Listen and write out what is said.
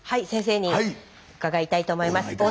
先生に伺いたいと思います。